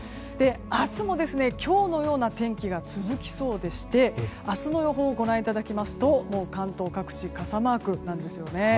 明日も今日のような天気が続きそうでして明日の予報をご覧いただきますと関東各地傘マークなんですよね。